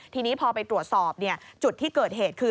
ทีนี้พอไปตรวจสอบจุดที่เกิดเหตุคือ